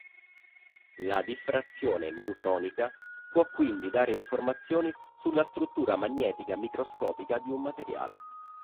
La diffrazione neutronica può quindi dare informazioni sulla struttura magnetica microscopica di un materiale.